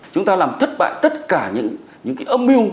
chúng ta làm thất bại tất cả những cái âm mưu